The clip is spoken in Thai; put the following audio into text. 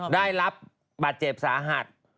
ได้รับบัตรเจ็บสาหัก